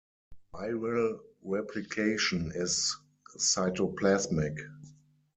Viral replication is cytoplasmic.